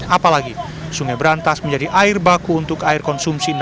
apalagi sungai berantas menjadi air baku untuk air konsumsi